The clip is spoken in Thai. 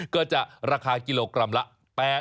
ก็จะราคากิโลกรัมละ๘๐บาท